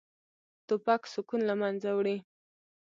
توپک سکون له منځه وړي.